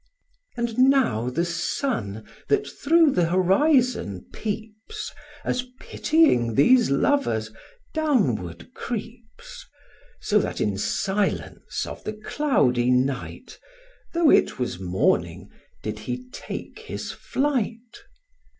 And now the sun, that through th' horizon peeps, As pitying these lovers, downward creeps; So that in silence of the cloudy night, Though it was morning, did he take his flight.